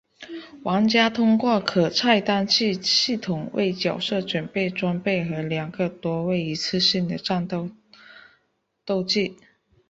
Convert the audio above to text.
玩家通过可菜单制系统为角色准备装备和两个多为一次性的战斗道具。